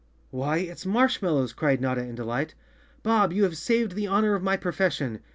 "Why, it's marshmallows!" cried Notta in delight. "Bob, you have saved the honor of my profession.